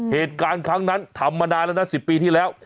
เหตุการณ์ครั้งนั้นทำมานานแล้วนะ๑๐ปีที่แล้ว